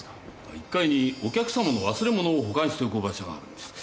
１階にお客さまの忘れ物を保管しておく場所があるんです。